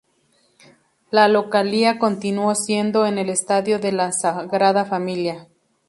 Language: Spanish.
La localía continuó siendo en el estadio de la Sagrada Familia.